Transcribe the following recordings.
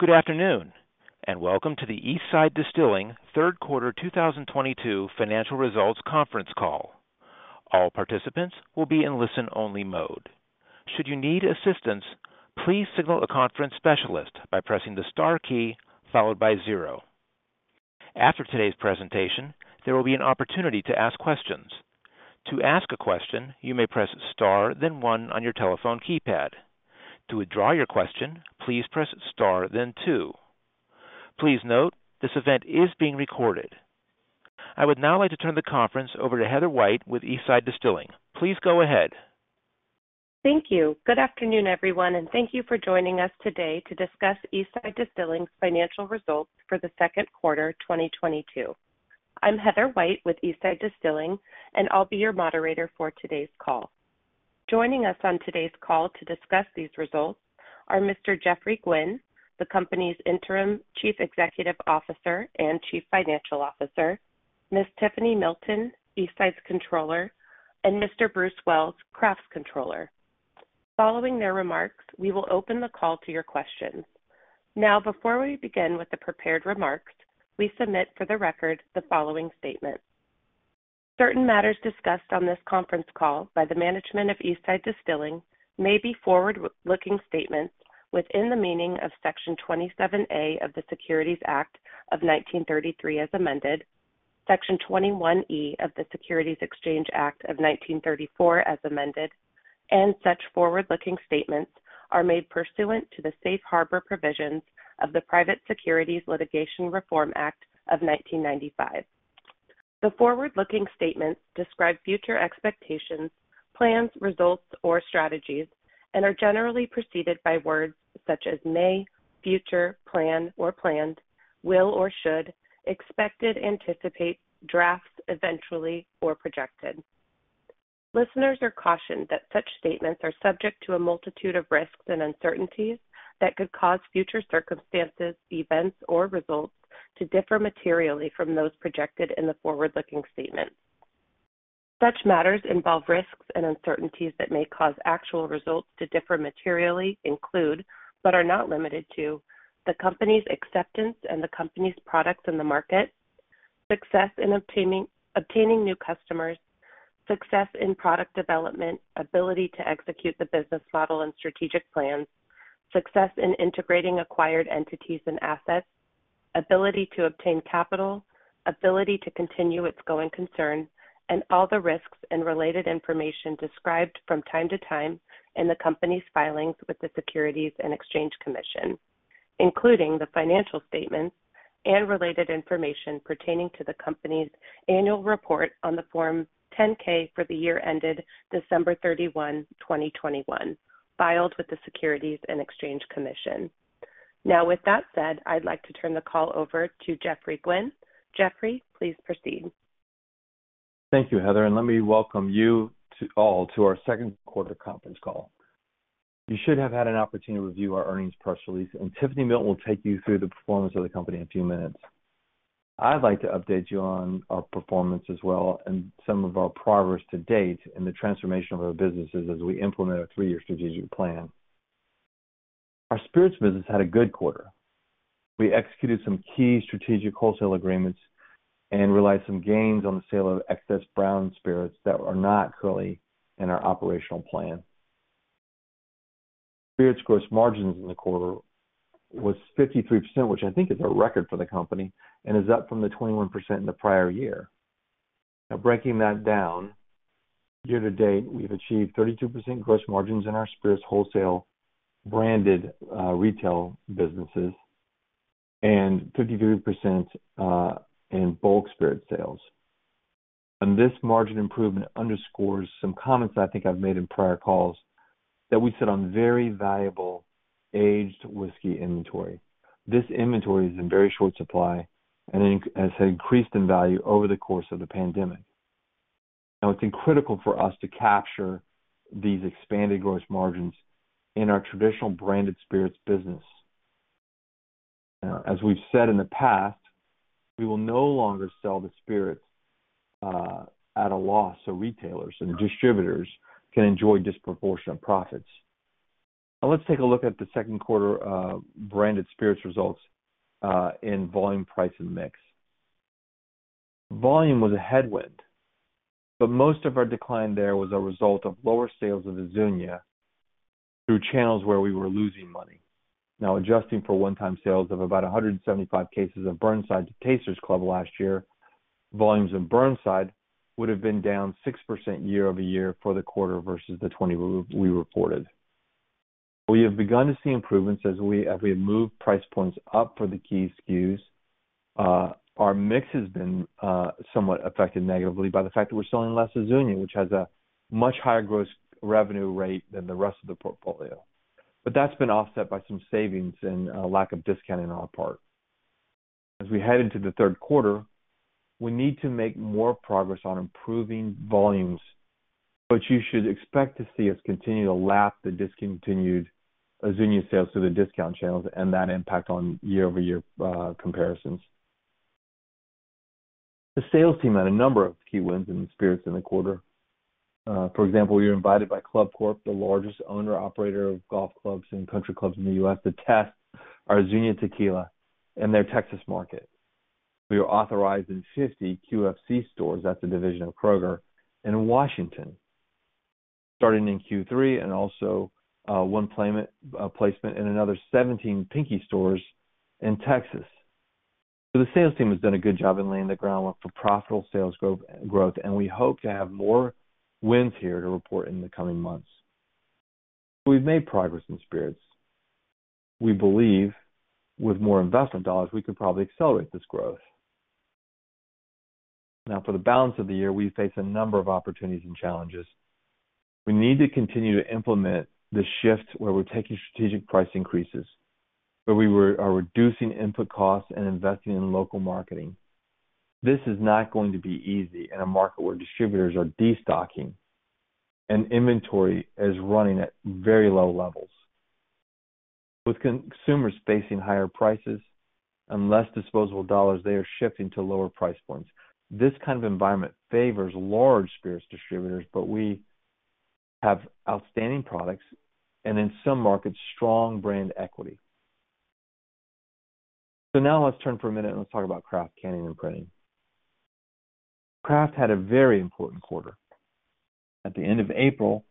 Good afternoon, and welcome to the Eastside Distilling third quarter 2022 financial results conference call. All participants will be in listen-only mode. Should you need assistance, please signal a conference specialist by pressing the star key followed by zero. After today's presentation, there will be an opportunity to ask questions.`To ask a question, you may press star then one on your telephone keypad. To withdraw your question, please press star then two. Please note, this event is being recorded. I would now like to turn the conference over to Heather White with Eastside Distilling. Please go ahead. Thank you. Good afternoon, everyone, and thank you for joining us today to discuss Eastside Distilling's financial results for the second quarter 2022. I'm Heather White with Eastside Distilling, and I'll be your moderator for today's call. Joining us on today's call to discuss these results are Mr. Geoffrey Gwin, the company's Interim Chief Executive Officer and Chief Financial Officer, Ms. Tiffany Milton, Eastside's controller, and Mr. Bruce Wells, Craft's controller. Following their remarks, we will open the call to your questions. Now, before we begin with the prepared remarks, we submit for the record the following statement. Certain matters discussed on this conference call by the management of Eastside Distilling may be forward-looking statements within the meaning of Section 27A of the Securities Act of 1933 as amended, Section 21E of the Securities Exchange Act of 1934 as amended, and such forward-looking statements are made pursuant to the Safe Harbor Provisions of the Private Securities Litigation Reform Act of 1995. The forward-looking statements describe future expectations, plans, results, or strategies and are generally preceded by words such as may, future, plan or planned, will or should, expected, anticipate, draft, eventually, or projected. Listeners are cautioned that such statements are subject to a multitude of risks and uncertainties that could cause future circumstances, events, or results to differ materially from those projected in the forward-looking statements. Such matters involve risks and uncertainties that may cause actual results to differ materially include, but are not limited to, the company's acceptance and the company's products in the market, success in obtaining new customers, success in product development, ability to execute the business model and strategic plans, success in integrating acquired entities and assets, ability to obtain capital, ability to continue its going concern, and all the risks and related information described from time to time in the company's filings with the Securities and Exchange Commission, including the financial statements and related information pertaining to the company's annual report on the Form 10-K for the year ended 31st December 2021, filed with the Securities and Exchange Commission. Now, with that said, I'd like to turn the call over to Geoffrey Gwin. Geoffrey, please proceed. Thank you, Heather, and let me welcome you all to our second quarter conference call. You should have had an opportunity to review our earnings press release, and Tiffany Milton will take you through the performance of the company in a few minutes. I'd like to update you on our performance as well and some of our progress to date in the transformation of our businesses as we implement our three-year strategic plan. Our spirits business had a good quarter. We executed some key strategic wholesale agreements and realized some gains on the sale of excess brown spirits that were not currently in our operational plan. Spirits gross margins in the quarter was 53%, which I think is a record for the company and is up from the 21% in the prior year. Now breaking that down, year to date, we've achieved 32% gross margins in our spirits wholesale branded, retail businesses and 53% in bulk spirit sales. This margin improvement underscores some comments I think I've made in prior calls that we sit on very valuable aged whiskey inventory. This inventory is in very short supply and has increased in value over the course of the pandemic. Now it's been critical for us to capture these expanded gross margins in our traditional branded spirits business. Now, as we've said in the past, we will no longer sell the spirits at a loss so retailers and distributors can enjoy disproportionate profits. Now let's take a look at the second quarter branded spirits results in volume, price, and mix. Volume was a headwind, but most of our decline there was a result of lower sales of Azuñia through channels where we were losing money. Now, adjusting for one-time sales of about 175 cases of Burnside to Taster's Club last year, volumes of Burnside would have been down 6% year-over-year for the quarter versus the 20 we reported. We have begun to see improvements as we move price points up for the key SKUs. Our mix has been somewhat affected negatively by the fact that we're selling less Azuñia, which has a much higher gross revenue rate than the rest of the portfolio. But that's been offset by some savings and a lack of discounting on our part. As we head into the third quarter, we need to make more progress on improving volumes, but you should expect to see us continue to lap the discontinued Azuñia sales to the discount channels and that impact on year-over-year comparisons. The sales team had a number of key wins in the spirits in the quarter. For example, we were invited by ClubCorp, the largest owner operator of golf clubs and country clubs in the U.S., to test our Azuñia Tequila in their Texas market. We were authorized in 50 QFC stores at the division of Kroger in Washington, starting in Q3, and also one placement in another 17 Pinkie's stores in Texas. The sales team has done a good job in laying the groundwork for profitable sales growth, and we hope to have more wins here to report in the coming months. We've made progress in spirits. We believe with more investment dollars, we could probably accelerate this growth. Now, for the balance of the year, we face a number of opportunities and challenges. We need to continue to implement the shift where we're taking strategic price increases, where we are reducing input costs and investing in local marketing. This is not going to be easy in a market where distributors are destocking and inventory is running at very low levels. With consumers facing higher prices and less disposable dollars, they are shifting to lower price points. This kind of environment favors large spirits distributors, but we have outstanding products and in some markets, strong brand equity. Now let's turn for a minute and let's talk about Craft Canning + Printing. Craft Canning + Printing had a very important quarter. At the end of April,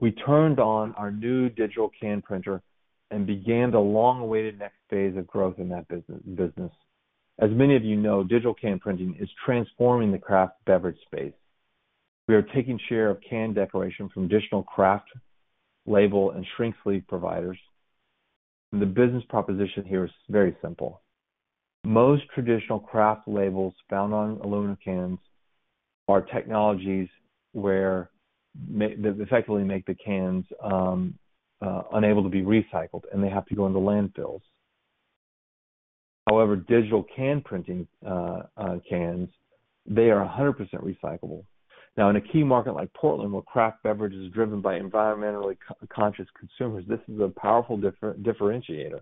we turned on our new digital can printer and began the long-awaited next phase of growth in that business. As many of you know, digital can printing is transforming the craft beverage space. We are taking share of can decoration from traditional craft label and shrink sleeve providers. The business proposition here is very simple. Most traditional craft labels found on aluminum cans are technologies that effectively make the cans unable to be recycled, and they have to go into landfills. However, digital can printing cans, they are 100% recyclable. Now, in a key market like Portland, where craft beverage is driven by environmentally conscious consumers, this is a powerful differentiator.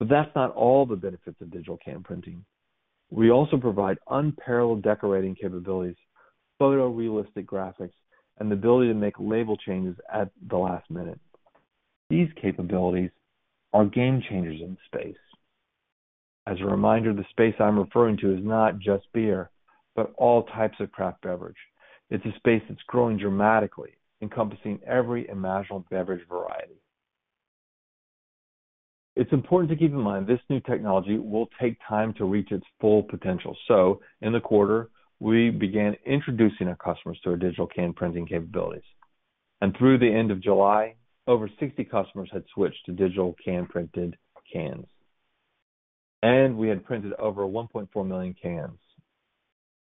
That's not all the benefits of digital can printing. We also provide unparalleled decorating capabilities, photorealistic graphics, and the ability to make label changes at the last minute. These capabilities are game changers in the space. As a reminder, the space I'm referring to is not just beer, but all types of craft beverage. It's a space that's growing dramatically, encompassing every imaginable beverage variety. It's important to keep in mind this new technology will take time to reach its full potential. In the quarter, we began introducing our customers to our digital can printing capabilities. Through the end of July, over 60 customers had switched to digital can printed cans, and we had printed over 1.4 million cans.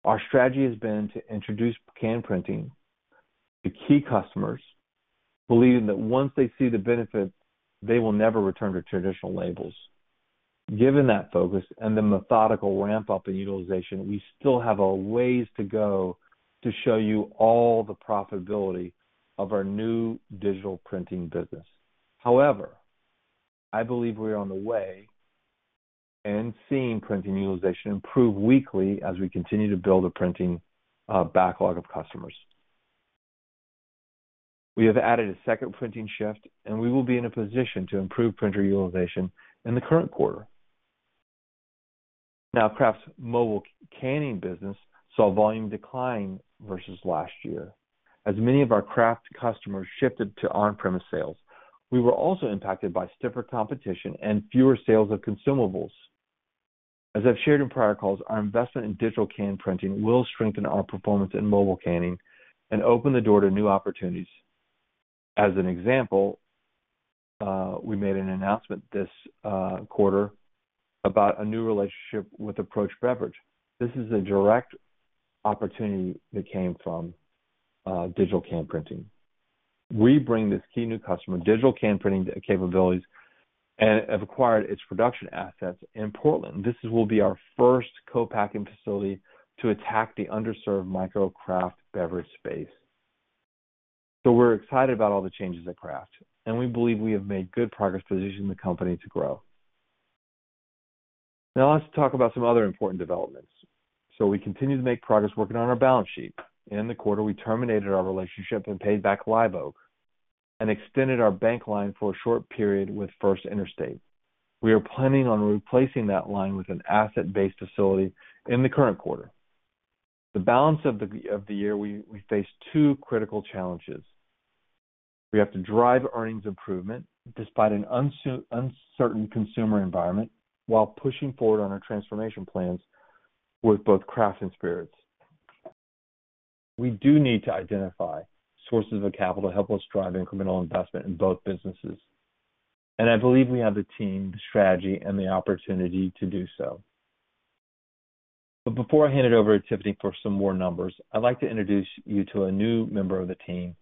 Our strategy has been to introduce can printing to key customers, believing that once they see the benefit, they will never return to traditional labels. Given that focus and the methodical ramp-up in utilization, we still have a ways to go to show you all the profitability of our new digital printing business. However, I believe we are on the way and seeing printing utilization improve weekly as we continue to build a printing backlog of customers. We have added a second printing shift, and we will be in a position to improve printer utilization in the current quarter. Now, Craft's mobile canning business saw volume decline versus last year. As many of our Craft customers shifted to on-premise sales, we were also impacted by stiffer competition and fewer sales of consumables. As I've shared in prior calls, our investment in digital can printing will strengthen our performance in mobile canning and open the door to new opportunities. As an example, we made an announcement this quarter about a new relationship with Approach Beverage. This is a direct opportunity that came from digital can printing. We bring this key new customer digital can printing capabilities and have acquired its production assets in Portland. This will be our first co-packing facility to attack the underserved micro craft beverage space. We're excited about all the changes at Craft, and we believe we have made good progress positioning the company to grow. Now let's talk about some other important developments. We continue to make progress working on our balance sheet. In the quarter, we terminated our relationship and paid back Live Oak and extended our bank line for a short period with First Interstate. We are planning on replacing that line with an asset-based facility in the current quarter. The balance of the year, we face two critical challenges. We have to drive earnings improvement despite an uncertain consumer environment while pushing forward on our transformation plans with both Craft and Spirits. We do need to identify sources of capital to help us drive incremental investment in both businesses, and I believe we have the team, the strategy, and the opportunity to do so. Before I hand it over to Tiffany for some more numbers, I'd like to introduce you to a new member of the team,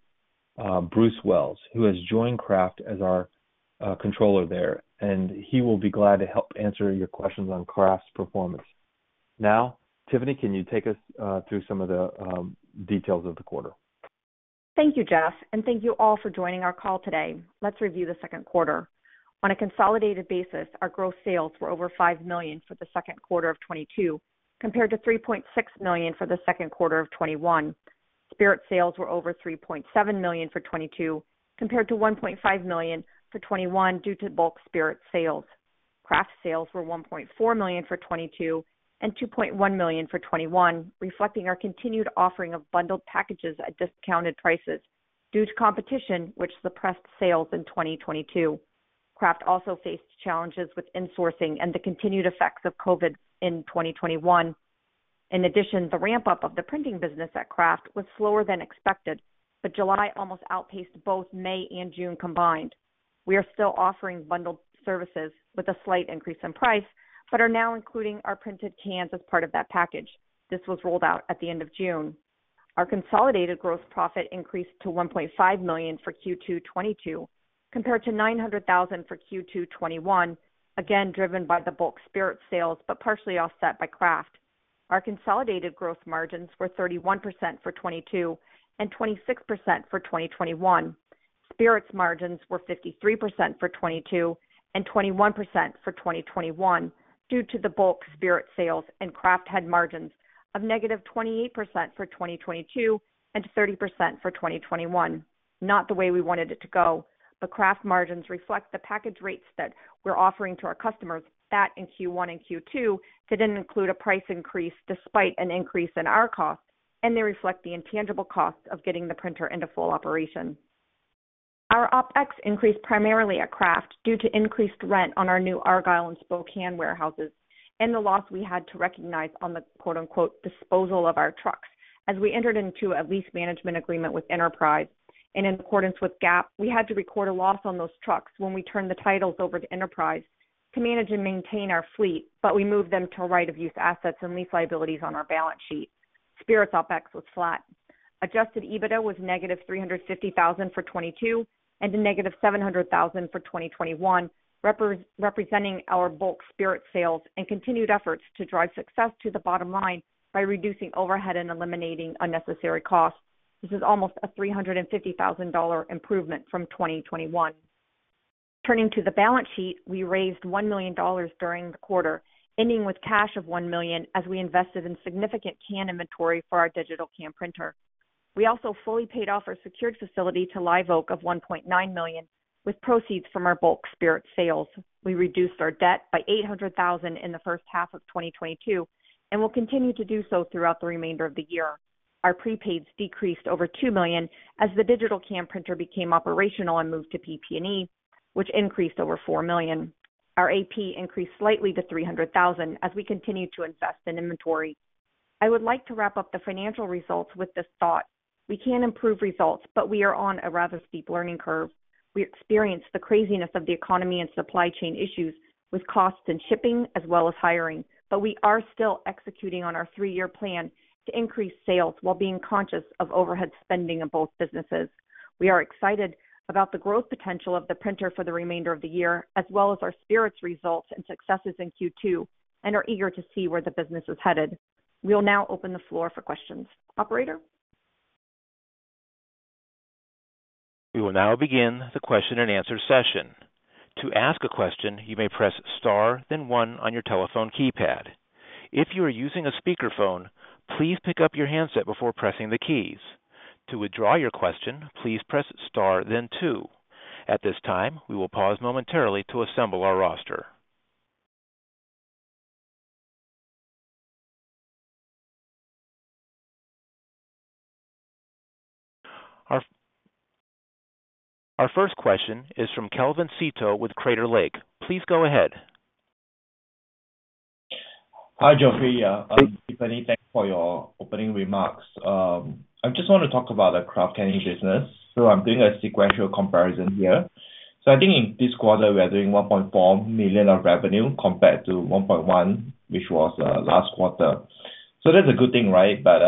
Bruce Wells, who has joined Craft as our controller there, and he will be glad to help answer your questions on Craft's performance. Now, Tiffany, can you take us through some of the details of the quarter? Thank you, Jeff, and thank you all for joining our call today. Let's review the second quarter. On a consolidated basis, our gross sales were over $5 million for the second quarter of 2022, compared to $3.6 million for the second quarter of 2021. Spirit sales were over $3.7 million for 2022, compared to $1.5 million for 2021 due to bulk spirit sales. Craft sales were $1.4 million for 2022 and $2.1 million for 2021, reflecting our continued offering of bundled packages at discounted prices due to competition which suppressed sales in 2022. Craft also faced challenges with insourcing and the continued effects of COVID in 2021. In addition, the ramp-up of the printing business at Craft was slower than expected, but July almost outpaced both May and June combined. We are still offering bundled services with a slight increase in price, but are now including our printed cans as part of that package. This was rolled out at the end of June. Our consolidated gross profit increased to $1.5 million for Q2 2022, compared to $900,000 for Q2 2021, again, driven by the bulk spirit sales, but partially offset by Craft. Our consolidated gross margins were 31% for 2022 and 26% for 2021. Spirits margins were 53% for 2022 and 21% for 2021 due to the bulk spirit sales and Craft had margins of -28% for 2022 and 30% for 2021. Not the way we wanted it to go, but Craft margins reflect the package rates that we're offering to our customers that in Q1 and Q2 didn't include a price increase despite an increase in our costs, and they reflect the intangible costs of getting the printer into full operation. Our OpEx increased primarily at Craft due to increased rent on our new Argyle and Spokane warehouses and the loss we had to recognize on the quote-unquote, "disposal of our trucks." As we entered into a lease management agreement with Enterprise and in accordance with GAAP, we had to record a loss on those trucks when we turned the titles over to Enterprise to manage and maintain our fleet, but we moved them to right-of-use assets and lease liabilities on our balance sheet. Spirits OpEx was flat. Adjusted EBITDA was -$350,000 for 2022 and -$700,000 for 2021, representing our bulk spirit sales and continued efforts to drive success to the bottom line by reducing overhead and eliminating unnecessary costs. This is almost a $350,000 improvement from 2021. Turning to the balance sheet, we raised $1 million during the quarter, ending with cash of $1 million as we invested in significant can inventory for our digital can printer. We also fully paid off our secured facility to Live Oak of $1.9 million with proceeds from our bulk spirit sales. We reduced our debt by $800,000 in the first half of 2022 and will continue to do so throughout the remainder of the year. Our prepaids decreased over $2 million as the digital can printer became operational and moved to PP&E, which increased over $4 million. Our AP increased slightly to $300,000 as we continued to invest in inventory. I would like to wrap up the financial results with this thought: We can improve results, but we are on a rather steep learning curve. We experienced the craziness of the economy and supply chain issues with costs and shipping as well as hiring. We are still executing on our three-year plan to increase sales while being conscious of overhead spending in both businesses. We are excited about the growth potential of the printer for the remainder of the year as well as our spirits results and successes in Q2, and are eager to see where the business is headed. We'll now open the floor for questions. Operator? We will now begin the question and answer session. To ask a question, you may press Star, then one on your telephone keypad. If you are using a speakerphone, please pick up your handset before pressing the keys. To withdraw your question, please press Star then two. At this time, we will pause momentarily to assemble our roster. Our first question is from Kelvin Seto with Crater Lake. Please go ahead. Hi, Geoffrey. Tiffany Milton, thanks for your opening remarks. I just want to talk about the craft canning business. I'm doing a sequential comparison here. I think in this quarter, we are doing $1.4 million of revenue compared to $1.1 million, which was last quarter. That's a good thing, right? But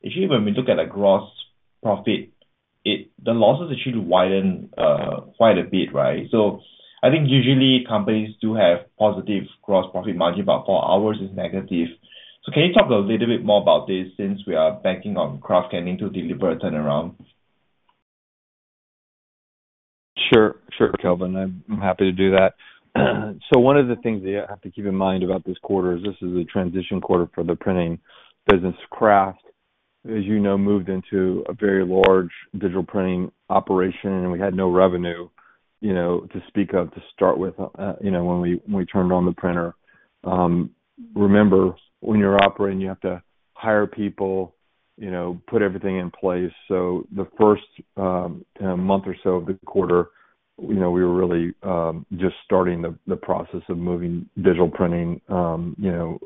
usually when we look at a gross profit, it. The losses actually widen quite a bit, right? I think usually companies do have positive gross profit margin, but for ours it's negative. Can you talk a little bit more about this since we are banking on craft canning to deliver a turnaround? Sure. Sure, Kelvin. I'm happy to do that. One of the things that you have to keep in mind about this quarter is this is a transition quarter for the printing business. Craft, as you know, moved into a very large digital printing operation, and we had no revenue, you know, to speak of to start with, you know, when we turned on the printer. Remember, when you're operating, you have to hire people, you know, put everything in place. The first month or so of the quarter, you know, we were really just starting the process of moving digital printing, you know,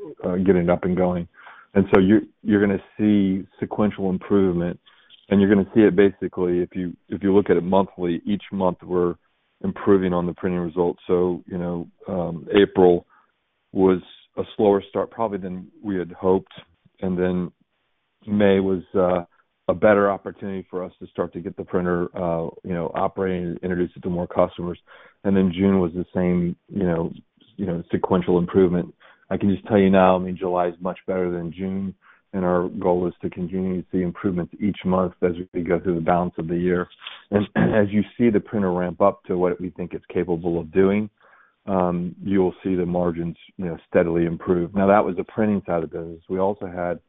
getting up and going. You're gonna see sequential improvement, and you're gonna see it basically if you look at it monthly, each month, we're improving on the printing results. You know, April was a slower start probably than we had hoped. May was a better opportunity for us to start to get the printer, you know, operating, introduce it to more customers. June was the same, you know. You know, sequential improvement. I can just tell you now, I mean, July is much better than June, and our goal is to continue to see improvements each month as we go through the balance of the year. As you see the printer ramp up to what we think it's capable of doing, you'll see the margins, you know, steadily improve. Now, that was the printing side of the business. We also had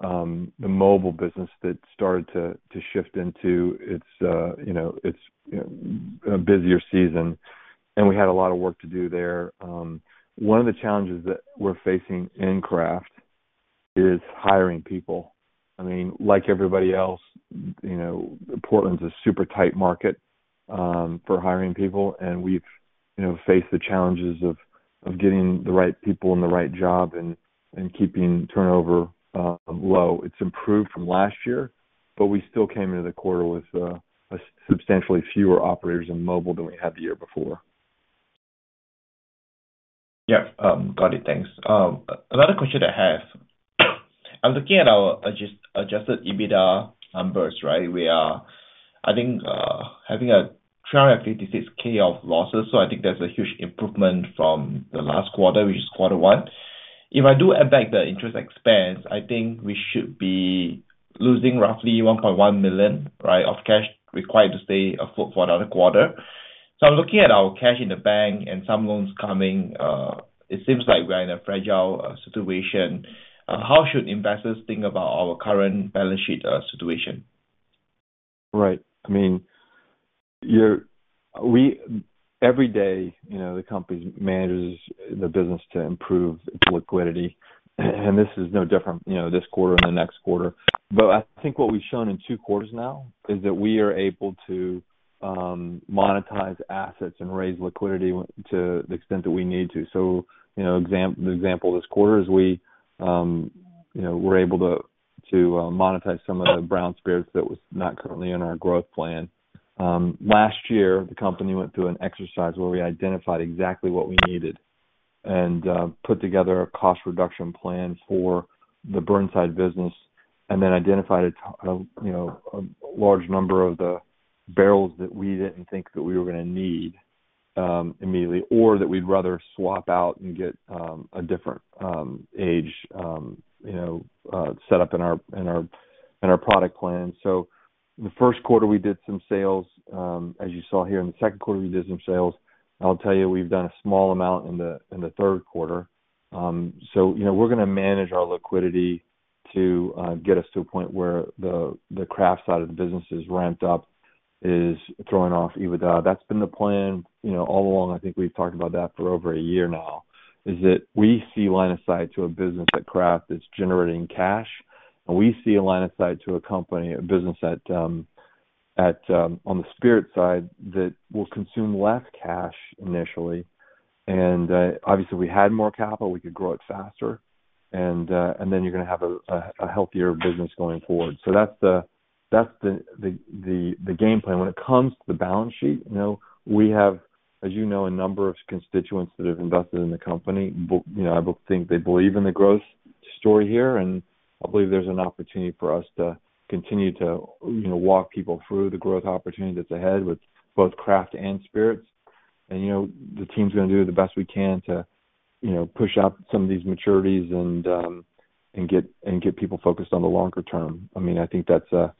the mobile business that started to shift into its busier season, and we had a lot of work to do there. One of the challenges that we're facing in Craft is hiring people. I mean, like everybody else, you know, Portland's a super tight market for hiring people, and we've, you know, faced the challenges of getting the right people in the right job and keeping turnover low. It's improved from last year, but we still came into the quarter with a substantially fewer operators in mobile than we had the year before. Yeah. Got it. Thanks. Another question I have. I'm looking at our adjusted EBITDA numbers, right? We are, I think, having a total $56,000 of losses, so I think that's a huge improvement from the last quarter, which is quarter one. If I do add back the interest expense, I think we should be losing roughly $1.1 million, right? Of cash required to stay afloat for another quarter. I'm looking at our cash in the bank and some loans coming, it seems like we're in a fragile situation. How should investors think about our current balance sheet situation? Right. I mean, every day, you know, the company manages the business to improve its liquidity, and this is no different, you know, this quarter or the next quarter. I think what we've shown in two quarters now is that we are able to monetize assets and raise liquidity to the extent that we need to. You know, an example this quarter is we, you know, we're able to monetize some of the brown spirits that was not currently in our growth plan. Last year, the company went through an exercise where we identified exactly what we needed and put together a cost reduction plan for the Burnside business and then identified you know a large number of the barrels that we didn't think that we were gonna need immediately or that we'd rather swap out and get a different age you know set up in our product plan. The first quarter, we did some sales as you saw here. In the second quarter, we did some sales. I'll tell you, we've done a small amount in the third quarter. You know, we're gonna manage our liquidity to get us to a point where the craft side of the business is ramped up, is throwing off EBITDA. That's been the plan, you know, all along. I think we've talked about that for over a year now, is that we see line of sight to a business at Craft that's generating cash, and we see a line of sight to a company, a business at on the spirit side that will consume less cash initially. Obviously, if we had more capital, we could grow it faster, and then you're gonna have a healthier business going forward. That's the game plan. When it comes to the balance sheet, you know, we have, as you know, a number of constituents that have invested in the company. I think they believe in the growth story here, and I believe there's an opportunity for us to continue to, you know, walk people through the growth opportunity that's ahead with both craft and spirits. You know, the team's gonna do the best we can to, you know, push out some of these maturities and get people focused on the longer term. I mean, I think that's a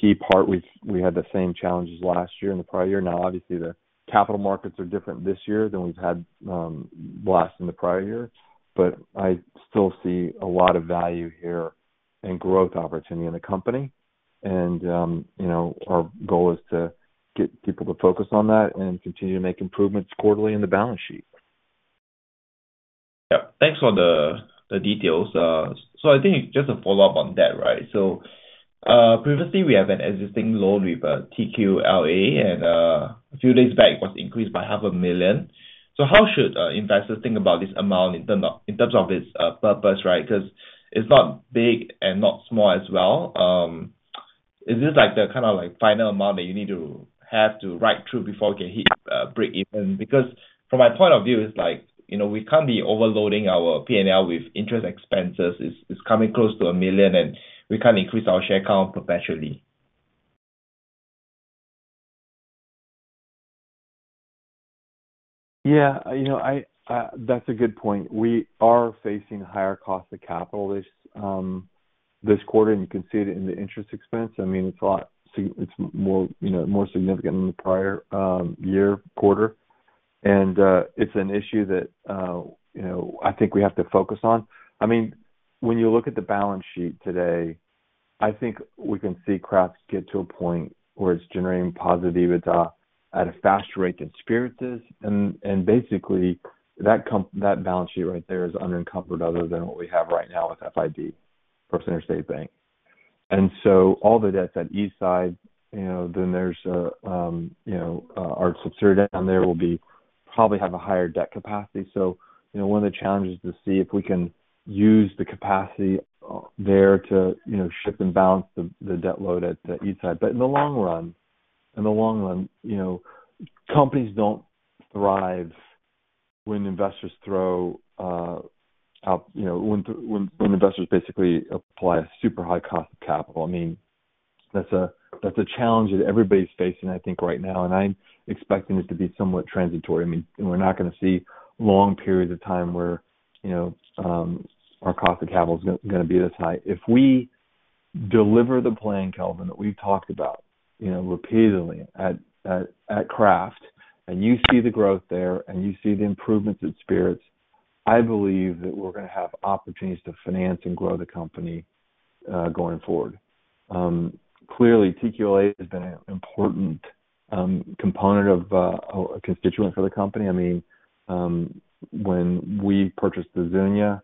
key part. We had the same challenges last year and the prior year. Now, obviously, the capital markets are different this year than we had last year and the prior year. I still see a lot of value here and growth opportunity in the company. You know, our goal is to get people to focus on that and continue to make improvements quarterly in the balance sheet. Yeah. Thanks for the details. I think just a follow-up on that, right? Previously, we have an existing loan with TQLA, and a few days back, it was increased by half a million. How should investors think about this amount in terms of its purpose, right? 'Cause it's not big and not small as well. Is this like the kinda like final amount that you need to have to ride through before it can hit break even? Because from my point of view, it's like, you know, we can't be overloading our P&L with interest expenses. It's coming close to $1 million, and we can't increase our share count perpetually. Yeah. You know, that's a good point. We are facing higher cost of capital this quarter, and you can see it in the interest expense. I mean, it's more significant than the prior year quarter. It's an issue that you know, I think we have to focus on. I mean, when you look at the balance sheet today, I think we can see Craft's get to a point where it's generating positive EBITDA at a faster rate than spirits is. Basically, that balance sheet right there is unencumbered other than what we have right now with FIB, First Interstate Bank. All the debts at Eastside you know, our subsidiary down there will probably have a higher debt capacity. You know, one of the challenges is to see if we can use the capacity there to, you know, shift and balance the debt load at Eastside. In the long run, you know, companies don't thrive when investors basically apply a super high cost of capital. I mean, that's a challenge that everybody's facing, I think, right now, and I'm expecting it to be somewhat transitory. I mean, we're not gonna see long periods of time where, you know, our cost of capital is gonna be this high. If we deliver the plan, Kelvin, that we've talked about, you know, repeatedly at Craft, and you see the growth there, and you see the improvements in spirits, I believe that we're gonna have opportunities to finance and grow the company, going forward. Clearly TQLA has been an important component of a constituent for the company. I mean, when we purchased Azuñia,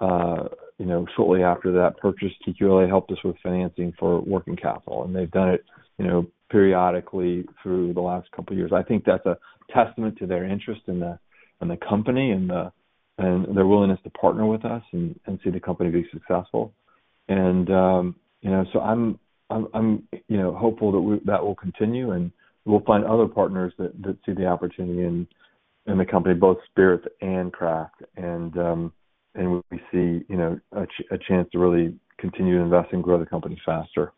you know, shortly after that purchase, TQLA helped us with financing for working capital, and they've done it, you know, periodically through the last couple of years. I think that's a testament to their interest in the company and their willingness to partner with us and see the company be successful. I'm hopeful that we will continue, and we'll find other partners that see the opportunity in the company, both spirits and craft. We see a chance to really continue to invest and grow the company faster.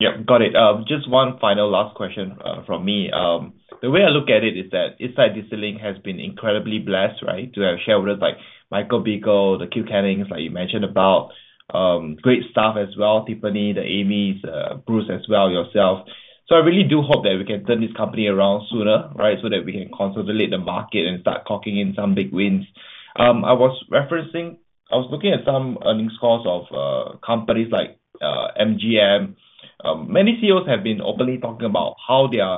Yep, got it. Just one final question from me. The way I look at it is that Eastside Distilling has been incredibly blessed, right? To have shareholders like Michael Bikle, the Kew Cannings, like you mentioned about, great staff as well, Tiffany, the Amys, Bruce as well, yourself. I really do hope that we can turn this company around sooner, right? So that we can consolidate the market and start clocking in some big wins. I was looking at some earnings calls of companies like MGM. Many CEOs have been openly talking about how their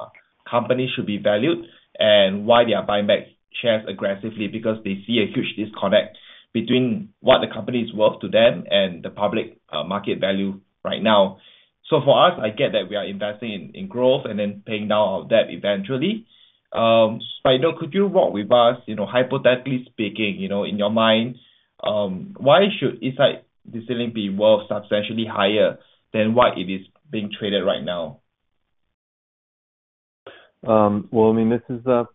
company should be valued and why they are buying back shares aggressively because they see a huge disconnect between what the company is worth to them and the public market value right now. For us, I get that we are investing in growth and then paying down our debt eventually. I know, could you walk with us, you know, hypothetically speaking, you know, in your mind, why should Eastside Distilling be worth substantially higher than what it is being traded right now? Well, I mean, this is a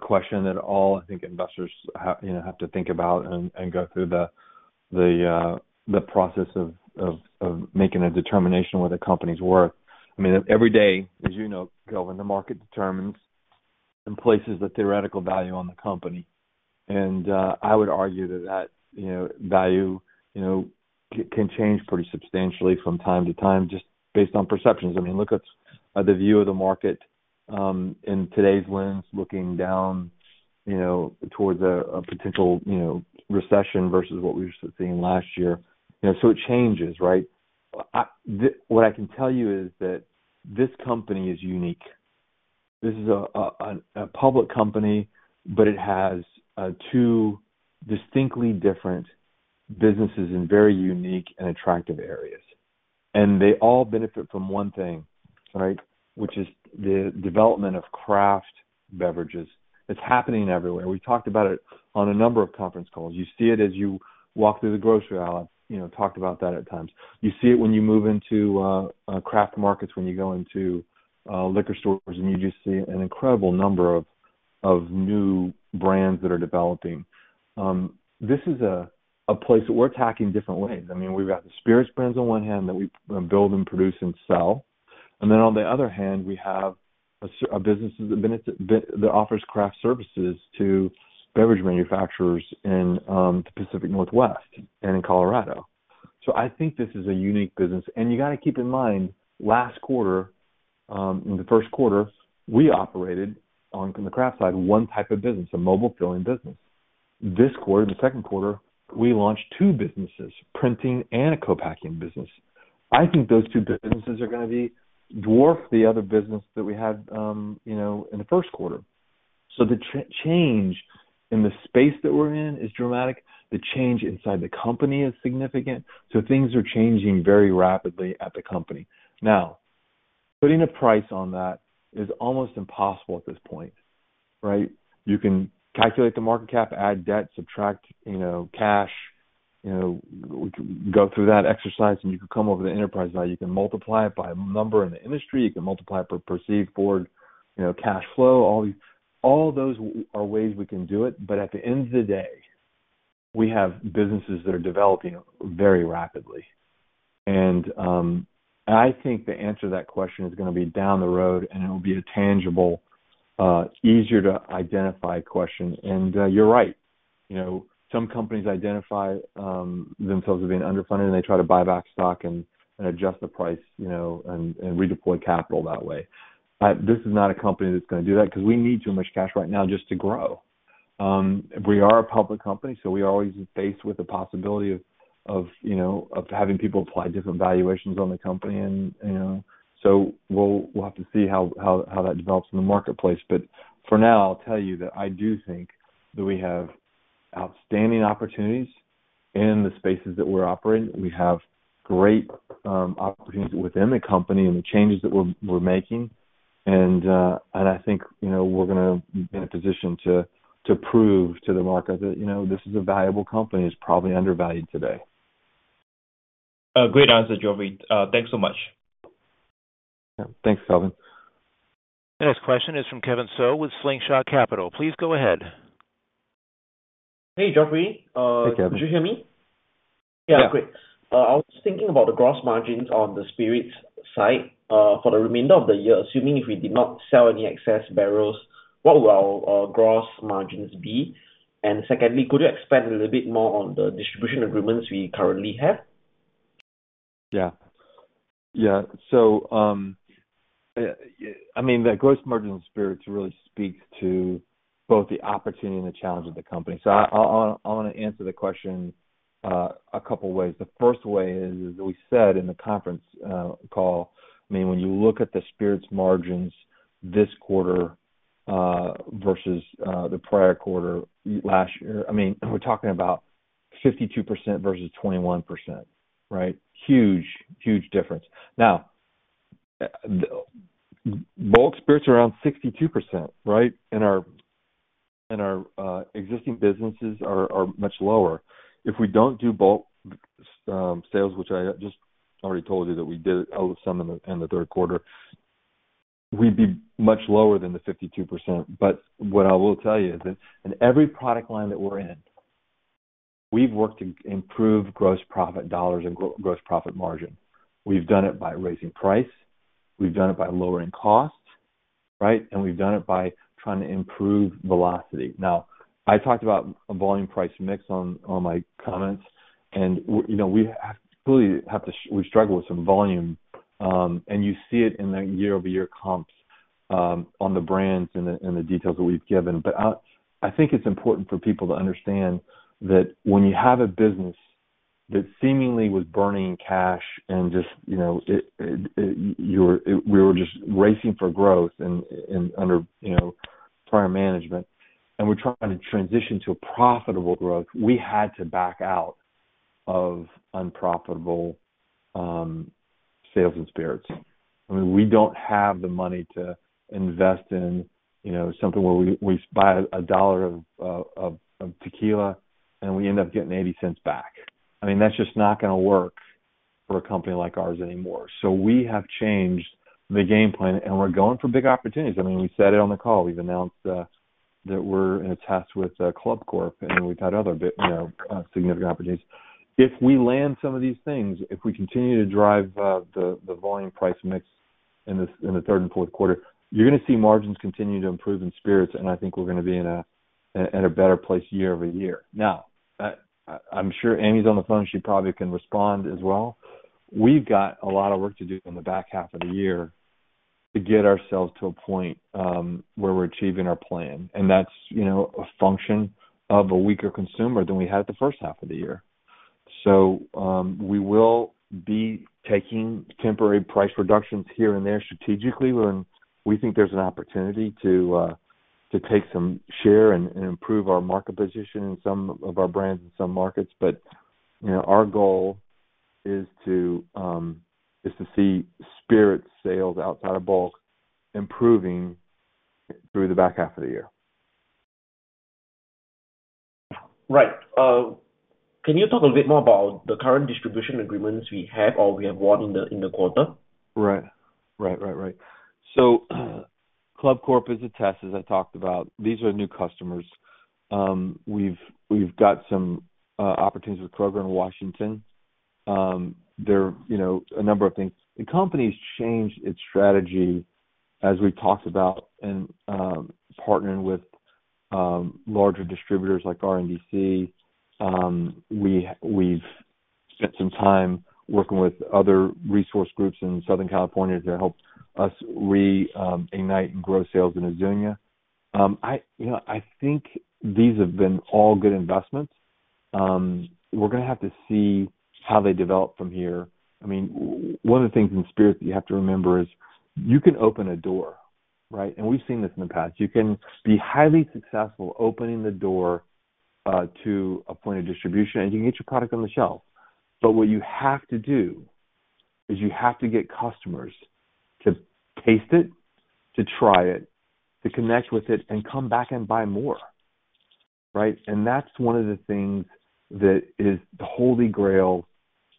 question that all, I think, investors have to think about and go through the process of making a determination what the company's worth. I mean, every day, as you know, Kelvin, the market determines and places the theoretical value on the company. I would argue that that value can change pretty substantially from time to time just based on perceptions. I mean, look at the view of the market in today's lens, looking down towards a potential recession versus what we were seeing last year. You know, it changes, right? What I can tell you is that this company is unique. This is a public company, but it has two distinctly different businesses in very unique and attractive areas. They all benefit from one thing, right, which is the development of craft beverages. It's happening everywhere. We talked about it on a number of conference calls. You see it as you walk through the grocery aisle, you know, talked about that at times. You see it when you move into craft markets, when you go into liquor stores, and you just see an incredible number of new brands that are developing. This is a place that we're attacking different ways. I mean, we've got the spirits brands on one hand that we build and produce and sell. On the other hand, we have a business that offers craft services to beverage manufacturers in the Pacific Northwest and in Colorado. I think this is a unique business. You gotta keep in mind, last quarter, in the first quarter, we operated on, from the craft side, one type of business, a mobile filling business. This quarter, the second quarter, we launched two businesses, printing and a co-packing business. I think those two businesses are gonna dwarf the other business that we had, you know, in the first quarter. The change in the space that we're in is dramatic. The change inside the company is significant. Things are changing very rapidly at the company. Now, putting a price on that is almost impossible at this point, right? You can calculate the market cap, add debt, subtract, you know, cash, you know, go through that exercise, and you can come up with an enterprise value. You can multiply it by a number in the industry. You can multiply it by perceived board, you know, cash flow. All those are ways we can do it, but at the end of the day, we have businesses that are developing very rapidly. I think the answer to that question is gonna be down the road, and it'll be a tangible easier to identify question. You're right. You know, some companies identify themselves as being underfunded, and they try to buy back stock and adjust the price, you know, and redeploy capital that way. This is not a company that's gonna do that because we need too much cash right now just to grow. We are a public company, so we're always faced with the possibility of you know of having people apply different valuations on the company. You know, we'll have to see how that develops in the marketplace. For now, I'll tell you that I do think that we have outstanding opportunities in the spaces that we're operating. We have great opportunities within the company and the changes that we're making. I think you know we're gonna be in a position to prove to the market that you know this is a valuable company that's probably undervalued today. Great answer, Geoffrey. Thanks so much. Yeah. Thanks, Kelvin. Next question is from Kevin So with Slingshot Capital. Please go ahead. Hey, Geoffrey. Hey, Kevin. Could you hear me? Yeah. Yeah, great. I was thinking about the gross margins on the spirits side for the remainder of the year, assuming if we did not sell any excess barrels, what will our gross margins be? Secondly, could you expand a little bit more on the distribution agreements we currently have? Yeah. Yeah. I mean, the gross margin on spirits really speaks to both the opportunity and the challenge of the company. I wanna answer the question a couple ways. The first way is we said in the conference call, I mean, when you look at the spirits margins this quarter versus the prior quarter last year, I mean, we're talking about 52% versus 21%, right? Huge difference. Now, bulk spirits are around 62%, right? Our existing businesses are much lower. If we don't do bulk sales, which I just already told you that we did out with some in the third quarter, we'd be much lower than the 52%. What I will tell you is that in every product line that we're in, we've worked to improve gross profit dollars and gross profit margin. We've done it by raising price, we've done it by lowering costs, right? We've done it by trying to improve velocity. I talked about a volume price mix on my comments, and you know, we clearly struggle with some volume, and you see it in the year-over-year comps, on the brands and the details that we've given. I think it's important for people to understand that when you have a business that seemingly was burning cash and just you know, you're. We were just racing for growth and under, you know, prior management, and we're trying to transition to a profitable growth. We had to back out of unprofitable sales in spirits. I mean, we don't have the money to invest in, you know, something where we buy a dollar of tequila, and we end up getting 80 cents back. I mean, that's just not gonna work for a company like ours anymore. We have changed the game plan, and we're going for big opportunities. I mean, we said it on the call. We've announced that we're in a test with ClubCorp, and we've had other, you know, significant opportunities. If we land some of these things, if we continue to drive the volume price mix in the third and fourth quarter, you're gonna see margins continue to improve in spirits, and I think we're gonna be in a better place year-over-year. Now, I'm sure Annie's on the phone, she probably can respond as well. We've got a lot of work to do in the back half of the year to get ourselves to a point where we're achieving our plan, and that's, you know, a function of a weaker consumer than we had the first half of the year. We will be taking temporary price reductions here and there strategically when we think there's an opportunity to take some share and improve our market position in some of our brands in some markets. You know, our goal is to see spirits sales outside of bulk improving through the back half of the year. Right. Can you talk a bit more about the current distribution agreements we have or we have won in the quarter? Right. ClubCorp is a test, as I talked about. These are new customers. We've got some opportunities with Kroger in Washington. You know, a number of things. The company's changed its strategy as we talked about in partnering with larger distributors like RNDC. We've spent some time working with other resource groups in Southern California to help us reignite and grow sales in Azuñia. You know, I think these have been all good investments. We're gonna have to see how they develop from here. I mean, one of the things in spirits that you have to remember is you can open a door, right? We've seen this in the past. You can be highly successful opening the door to a point of distribution, and you can get your product on the shelf. What you have to do is you have to get customers to taste it, to try it, to connect with it and come back and buy more, right? That's one of the things that is the Holy Grail,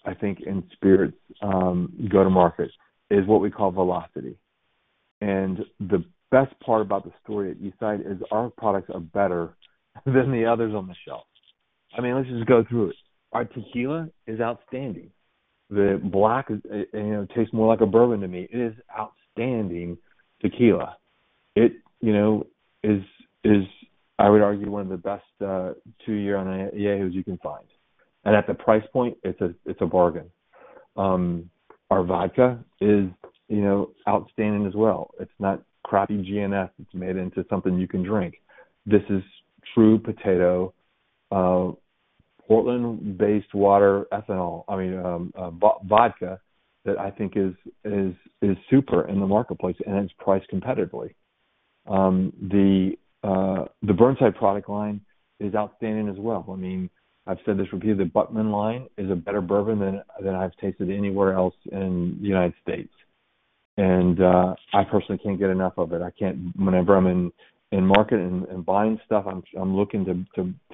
I think, in spirits, go-to-market, is what we call velocity. The best part about the story at Eastside is our products are better than the others on the shelf. I mean, let's just go through it. Our tequila is outstanding. The black is, you know, tastes more like a bourbon to me. It is outstanding tequila. It you know is I would argue one of the best two-year añejos you can find. At the price point, it's a bargain. Our vodka is, you know, outstanding as well. It's not crappy GNS. It's made into something you can drink. This is true potato Portland-based water ethanol. I mean, vodka that I think is super in the marketplace, and it's priced competitively. The Burnside product line is outstanding as well. I mean, I've said this repeatedly, the Buckman line is a better bourbon than I've tasted anywhere else in the United States. I personally can't get enough of it. Whenever I'm in market and buying stuff, I'm looking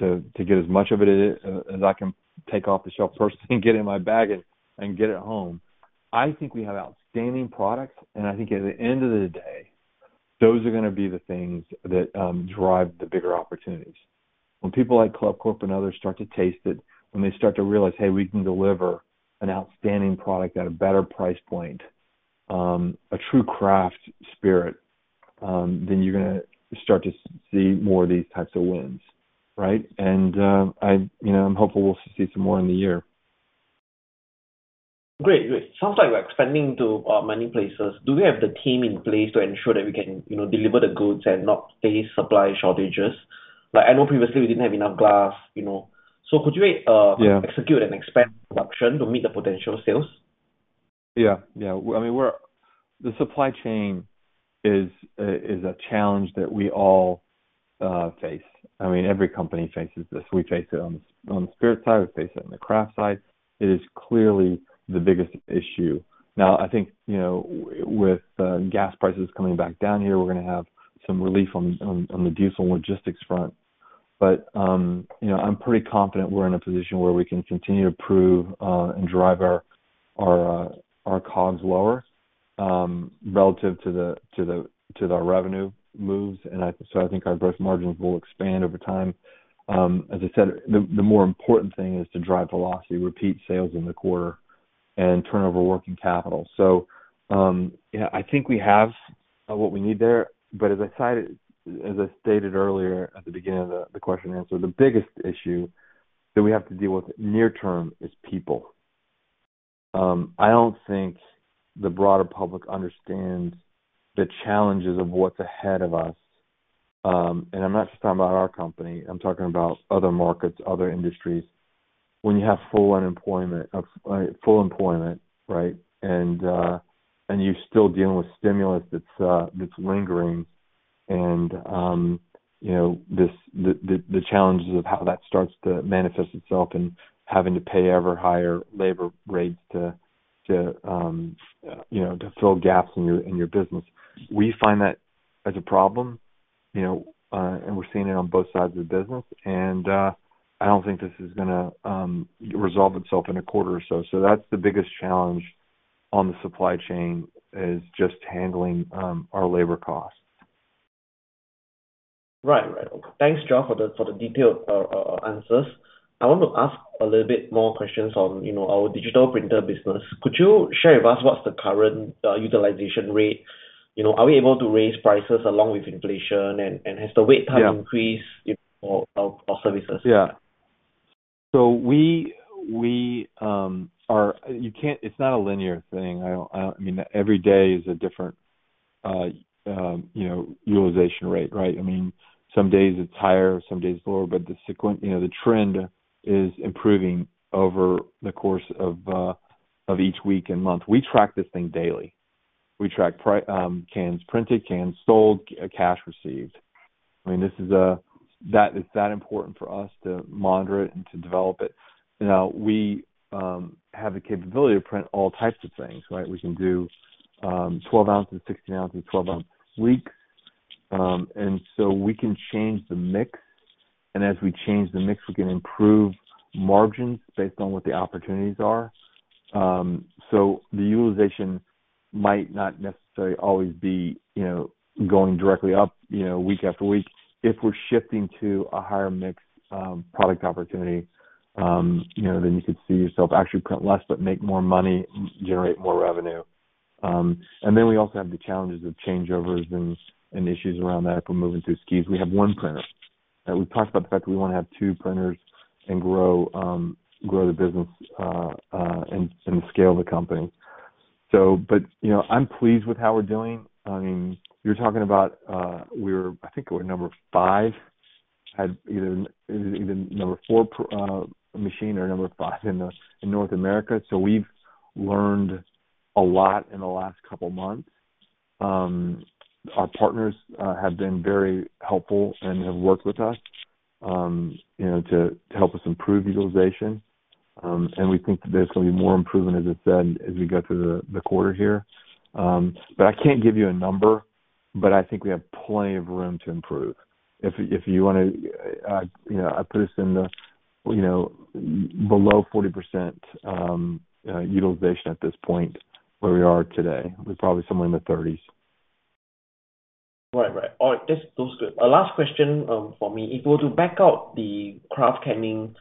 to get as much of it as I can take off the shelf personally and get in my bag and get it home. I think we have outstanding products, and I think at the end of the day, those are gonna be the things that drive the bigger opportunities. When people like ClubCorp and others start to taste it, when they start to realize, "Hey, we can deliver an outstanding product at a better price point, a true craft spirit," then you're gonna start to see more of these types of wins, right? You know, I'm hopeful we'll see some more in the year. Great. Sounds like we're expanding to many places. Do we have the team in place to ensure that we can, you know, deliver the goods and not face supply shortages? Like, I know previously we didn't have enough glass, you know. Yeah execute and expand production to meet the potential sales? Yeah. Yeah. I mean, the supply chain is a challenge that we all face. Every company faces this. We face it on the spirit side, we face it on the craft side. It is clearly the biggest issue. Now, I think, you know, with gas prices coming back down here, we're gonna have some relief on the diesel logistics front. You know, I'm pretty confident we're in a position where we can continue to improve and drive our costs lower relative to the revenue moves. I think our gross margins will expand over time. As I said, the more important thing is to drive velocity, repeat sales in the quarter, and turn over working capital. Yeah, I think we have what we need there. I stated earlier at the beginning of the question and answer, the biggest issue that we have to deal with near term is people. I don't think the broader public understands the challenges of what's ahead of us. I'm not just talking about our company, I'm talking about other markets, other industries. When you have full employment, right? You're still dealing with stimulus that's lingering and you know, the challenges of how that starts to manifest itself and having to pay ever higher labor rates to you know, to fill gaps in your business. We find that as a problem, you know, and we're seeing it on both sides of the business. I don't think this is gonna resolve itself in a quarter or so. That's the biggest challenge on the supply chain, is just handling our labor costs. Right. Thanks, Geoffrey Gwin, for the detailed answers. I want to ask a little bit more questions on, you know, our digital printer business. Could you share with us what's the current utilization rate? You know, are we able to raise prices along with inflation? And has the wait time Yeah Increased for our services? Yeah. It's not a linear thing. I mean, every day is a different, you know, utilization rate, right? I mean, some days it's higher, some days it's lower. The trend is improving over the course of each week and month. We track this thing daily. We track cans printed, cans sold, cash received. I mean, it's that important for us to monitor it and to develop it. You know, we have the capability to print all types of things, right? We can do 12 ounces, 16 ounces, 12 ounce weeks. We can change the mix, and as we change the mix, we can improve margins based on what the opportunities are. The utilization might not necessarily always be, you know, going directly up, you know, week after week. If we're shifting to a higher mix, product opportunity, you know, then you could see yourself actually print less but make more money, generate more revenue. We also have the challenges of changeovers and issues around that if we're moving through SKUs. We have one printer. We've talked about the fact that we wanna have two printers and grow the business and scale the company. I'm pleased with how we're doing. I mean, you're talking about. I think we're number five at even number four machine or number five in North America. We've learned a lot in the last couple months. Our partners have been very helpful and have worked with us, you know, to help us improve utilization. We think that there's gonna be more improvement, as I said, as we go through the quarter here. I can't give you a number, but I think we have plenty of room to improve. If you wanna, you know, I'd put us in the, you know, below 40% utilization at this point where we are today. We're probably somewhere in the 30s. Right. All right. Those are good. Last question from me. If we were to back out the Craft Canning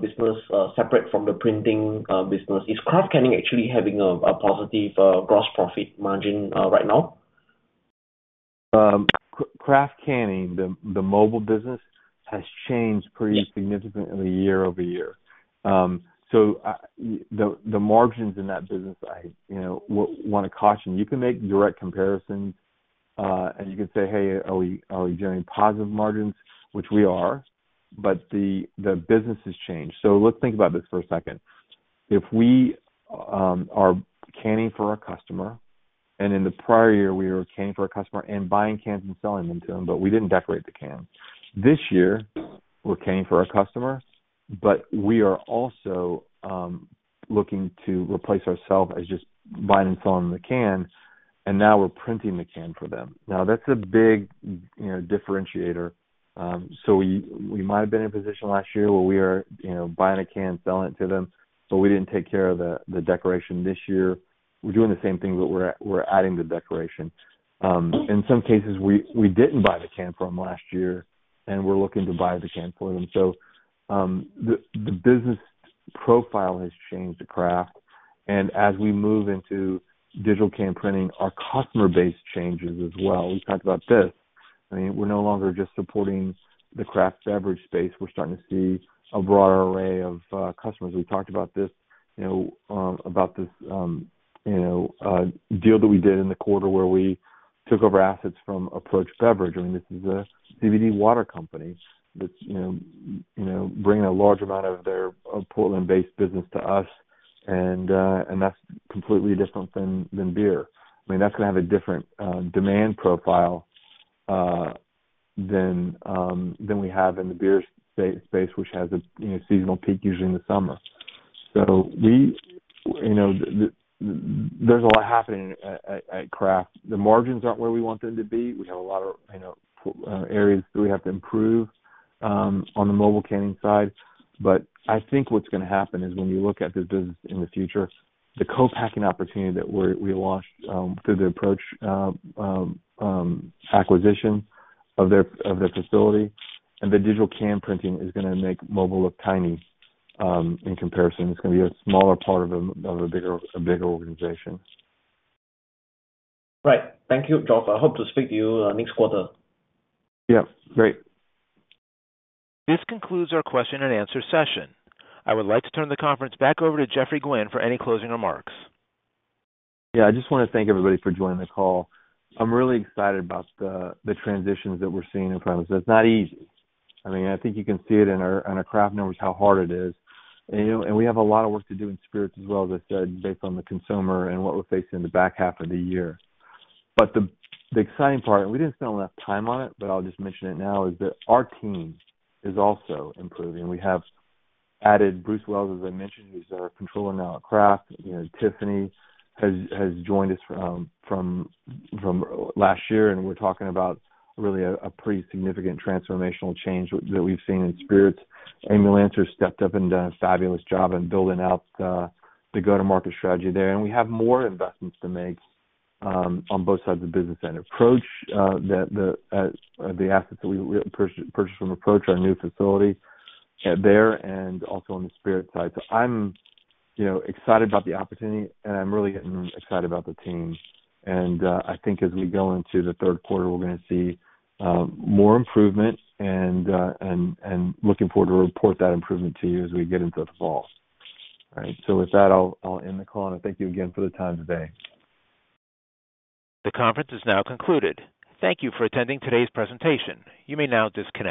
business separate from the printing business, is Craft Canning actually having a positive gross profit margin right now? Craft Canning, the mobile business, has changed pretty significantly year over year. The margins in that business, I, you know, want to caution you can make direct comparisons, and you can say, "Hey, are we generating positive margins?" Which we are, but the business has changed. Let's think about this for a second. If we are canning for our customer, and in the prior year we were canning for our customer and buying cans and selling them to them, but we didn't decorate the cans. This year, we're canning for our customer, but we are also looking to replace ourselves as just buying and selling the cans, and now we're printing the can for them. Now, that's a big differentiator. We might have been in a position last year where we are buying a can, selling it to them, but we didn't take care of the decoration. This year, we're doing the same thing, but we're adding the decoration. In some cases, we didn't buy the can from last year, and we're looking to buy the can for them. The business profile has changed at Craft. As we move into digital can printing, our customer base changes as well. We've talked about this. I mean, we're no longer just supporting the craft beverage space. We're starting to see a broader array of customers. We talked about this, you know, about this, you know, deal that we did in the quarter where we took over assets from Approach Beverage. I mean, this is a CBD water company that's, you know, bringing a large amount of their Portland-based business to us and that's completely different than beer. I mean, that's gonna have a different demand profile than we have in the beer space, which has a seasonal peak, usually in the summer. You know, there's a lot happening at Craft. The margins aren't where we want them to be. We have a lot of, you know, areas that we have to improve on the mobile canning side. I think what's gonna happen is when you look at this business in the future, the co-packing opportunity that we lost through the Approach acquisition of their facility and the digital can printing is gonna make mobile look tiny in comparison. It's gonna be a smaller part of a bigger organization. Right. Thank you, Geoffrey. I hope to speak to you, next quarter. Yeah, great. This concludes our question and answer session. I would like to turn the conference back over to Geoffrey Gwin for any closing remarks. Yeah. I just wanna thank everybody for joining the call. I'm really excited about the transitions that we're seeing in front of us. It's not easy. I mean, I think you can see it in our Craft numbers how hard it is. You know, we have a lot of work to do in spirits as well, as I said, based on the consumer and what we're facing in the back half of the year. The exciting part, and we didn't spend enough time on it, but I'll just mention it now, is that our team is also improving. We have added Bruce Wells, as I mentioned, who's our controller now at Craft. You know, Tiffany has joined us from last year, and we're talking about really a pretty significant transformational change that we've seen in spirits. Amy Lancer stepped up and done a fabulous job in building out the go-to-market strategy there. We have more investments to make on both sides of the business and Approach, the assets that we purchased from Approach, our new facility there, and also on the spirit side. I'm, you know, excited about the opportunity, and I'm really getting excited about the team. I think as we go into the third quarter, we're gonna see more improvement and looking forward to report that improvement to you as we get into the fall. All right. With that, I'll end the call, and thank you again for the time today. The conference is now concluded. Thank you for attending today's presentation. You may now disconnect.